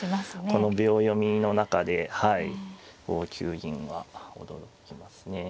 この秒読みの中で５九銀は驚きますね。